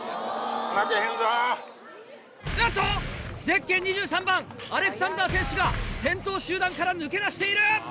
ゼッケン２３番アレクサンダー選手が先頭集団から抜け出している！